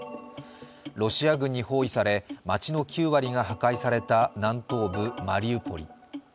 ロシア軍に包囲され、街の９割が破壊された南東部マリウポリ。